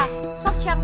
bình định hai ca